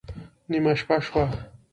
نېمه شپه شوه